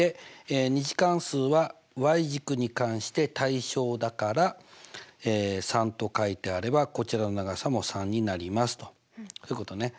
２次関数は軸に関して対称だから３と書いてあればこちらの長さも３になりますとそういうことね。